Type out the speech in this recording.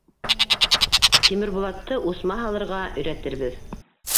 Тимербулатты усма һалырға өйрәтербеҙ.